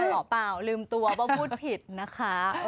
หมอปลาลืมตัวว่าพูดผิดนะคะ